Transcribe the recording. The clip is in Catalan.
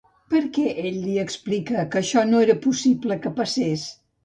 Per què ell li explicà que això no era possible que passés?